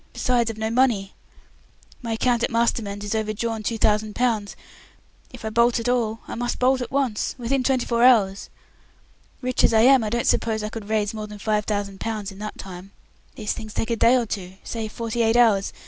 Besides, I've no money. My account at Mastermann's is overdrawn two thousand pounds. If I bolt at all, I must bolt at once within twenty four hours. Rich as I am, I don't suppose I could raise more than five thousand pounds in that time. These things take a day or two, say forty eight hours.